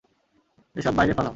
এসব বাইরে ফালাও।